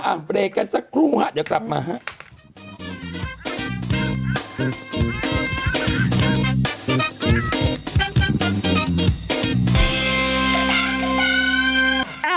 แล้วไปเล่กันสักครู่เดี๋ยวกลับมา